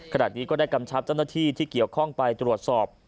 ขณะนี้ก็ได้กำชับเจ้าหน้าที่ที่เกี่ยวข้องไปตรวจสอบ